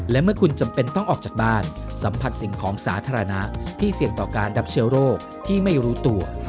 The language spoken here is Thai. และเมื่อคุณจำเป็นต้องออกจากบ้านสัมผัสสิ่งของสาธารณะที่เสี่ยงต่อการดับเชื้อโรคที่ไม่รู้ตัว